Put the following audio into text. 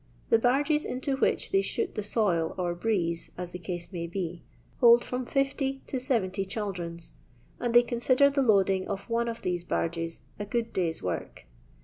The barges into which they shoot the soil or *'briese," as the case may be, hold firom 60 to 70 chaldrons, and they consider the loading of one of these barges a good day's work.